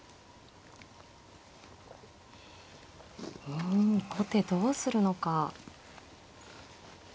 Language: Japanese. うん後手どうするのか。